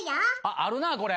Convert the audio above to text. あるなぁこれ。